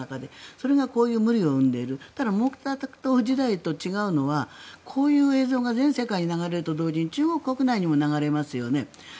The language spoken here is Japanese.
それがこういう無理を生んでいるただ、毛沢東時代と違うのはこういう映像が全世界に流れると同時に中国国内にも流れますよね。